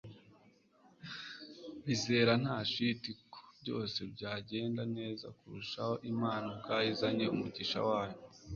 bizera nta shiti ko byose byagenda neza kurushaho imana ubwayo izanye umugisha wayo